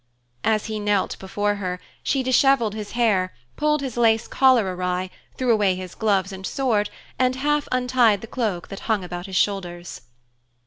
As he knelt before her, she disheveled his hair, pulled his lace collar awry, threw away his gloves and sword, and half untied the cloak that hung about his shoulders.